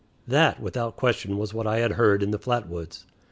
That, without question, was what I had heard in the flat woods.